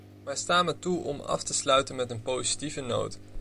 Maar sta me toe om af te sluiten met een positieve noot.